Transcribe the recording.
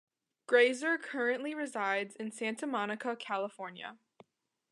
Grazer currently resides in Santa Monica, California.